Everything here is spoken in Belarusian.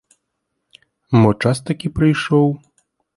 Мо час такі прыйшоў?